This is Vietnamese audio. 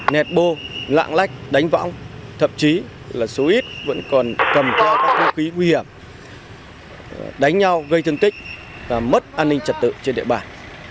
nẹt bô lạng lách đánh võng thậm chí là số ít vẫn còn cầm theo các hung khí nguy hiểm đánh nhau gây thương tích và mất an ninh trật tự trên địa bàn